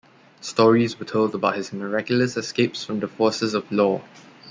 Stories were told about his miraculous escapes from the forces of law.